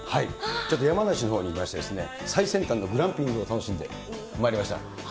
ちょっと山梨のほうに行きましてね、最先端のグランピングを楽しんでまいりました。